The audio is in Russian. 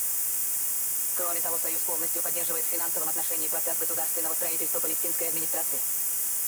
Кроме того, Союз полностью поддерживает в финансовом отношении процесс государственного строительства Палестинской администрации.